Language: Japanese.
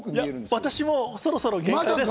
私もそろそろ限界です。